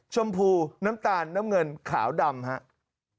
ชมพูน้ำตาลน้ำเงินขาวดำครับ